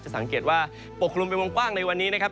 สังเกตว่าปกคลุมเป็นวงกว้างในวันนี้นะครับ